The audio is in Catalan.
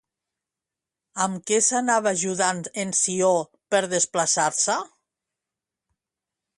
Amb què s'anava ajudant en Ció per desplaçar-se?